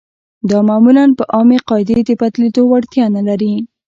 دا معمولاً په عامې قاعدې د بدلېدو وړتیا نلري.